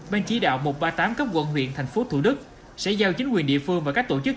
ban chỉ đạo một trăm ba mươi tám cấp quận huyện thành phố thủ đức sẽ giao chính quyền địa phương và các tổ chức